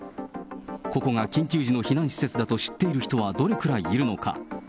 ここが緊急時の避難施設だと知っている人はどれくらいいるのか。